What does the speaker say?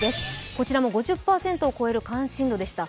こちらも５０％を超える関心度でした。